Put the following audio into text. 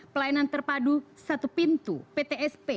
pelayanan terpadu satu pintu ptsp